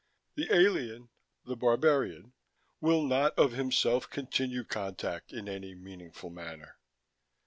The alien the barbarian will not of himself continue contact in any meaningful manner.